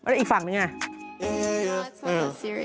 แล้วอีกฝั่งเป็นอย่างไร